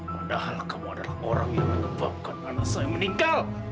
padahal kamu adalah orang yang menyebabkan anak saya meninggal